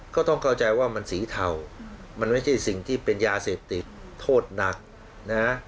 ก็ต้องเข้าใจว่ามันสีเทามันไม่ใช่สิ่งที่เป็นยาเสพติดโทษหนักนะ